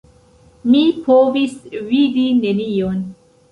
Mi povis vidi nenion.